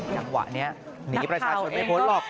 จังหวะนี้หนีประชาชนไม่พ้นหรอก